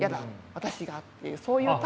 私が」っていうそういうタイプ。